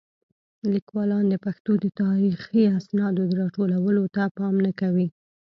لیکوالان د پښتو د تاریخي اسنادو د راټولولو ته پام نه کوي.